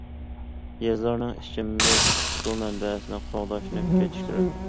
يېزىلارنىڭ ئىچىملىك سۇ مەنبەسىنى قوغداشنى كۈچەيتىش كېرەك.